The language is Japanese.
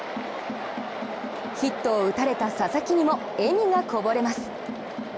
ヒットを打たれた佐々木にも笑みがこぼれます。